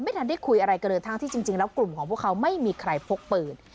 ไม่ทันได้คุยอะไรกันเลยทั้งที่จริงแล้วกลุ่มของพวกเขาไม่มีใครพกปืน